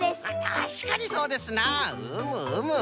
たしかにそうですなうむうむ。